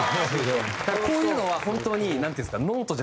こういうのは本当になんていうんですか。